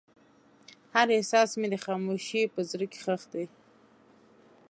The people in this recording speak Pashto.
هر احساس مې د خاموشۍ په زړه کې ښخ دی.